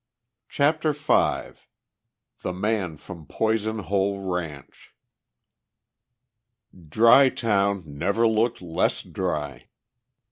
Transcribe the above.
CHAPTER V THE MAN FROM POISON HOLE RANCH Dry Town never looked less dry.